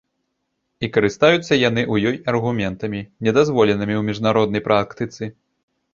І карыстаюцца яны ў ёй аргументамі, недазволенымі ў міжнароднай практыцы.